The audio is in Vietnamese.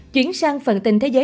chuyển sang phần tin thế giới